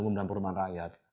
umum dan perumahan rakyat